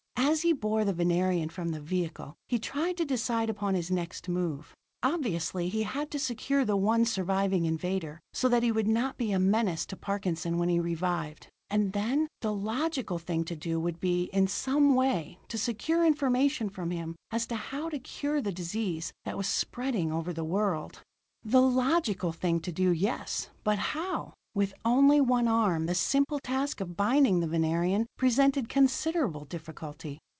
As he bore the Venerian from the vehicle, he tried to decide upon his next move. Obviously, he had to secure the one surviving invader, so that he would not be a menace to Parkinson when he revived. And then the logical thing to do would be, in some way, to secure information from him as to how to cure the disease that was spreading over the world. The logical thing to do, yes but how? With only one arm, the simple task of binding the Venerian presented considerable difficulty.